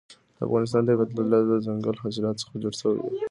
د افغانستان طبیعت له دځنګل حاصلات څخه جوړ شوی دی.